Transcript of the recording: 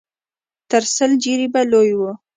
تر سل جريبه لوى و.